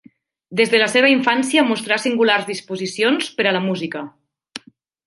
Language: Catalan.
Des de la seva infància mostrà singulars disposicions per a la música.